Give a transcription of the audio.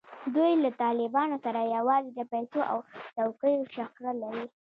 دوی له طالبانو سره یوازې د پیسو او څوکیو شخړه لري.